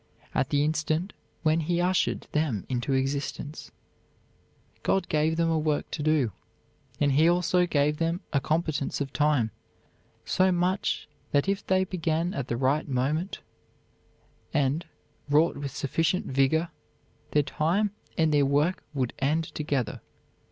"At the instant when He ushered them into existence, God gave them a work to do, and He also gave them a competence of time; so much that if they began at the right moment, and wrought with sufficient vigor, their time and their work would end together.